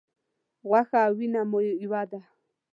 غوښه او وینه مو یوه ده.